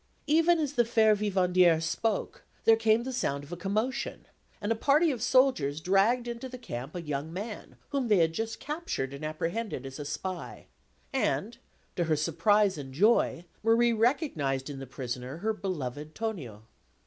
Even as the fair vivandière spoke, there came the sound of a commotion, and a party of soldiers dragged into the camp a young man, whom they had just captured and apprehended as a spy; and, to her surprise and joy, Marie recognised in the prisoner her beloved Tonio.